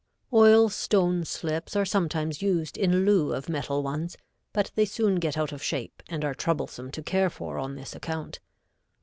Oil stone slips are sometimes used in lieu of metal ones, but they soon get out of shape and are troublesome to care for on this account.